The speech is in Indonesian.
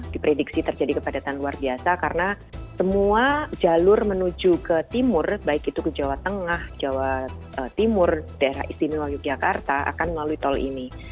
diprediksi terjadi kepadatan luar biasa karena semua jalur menuju ke timur baik itu ke jawa tengah jawa timur daerah istimewa yogyakarta akan melalui tol ini